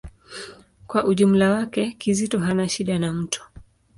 Kwa ujumla wake, Kizito hana shida na mtu.